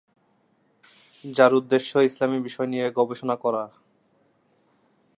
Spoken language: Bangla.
যার উদ্দেশ্য ইসলামি বিষয় নিয়ে গবেষণা করা।